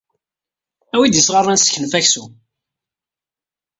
Awi-d isɣaren ad neseknef aksum.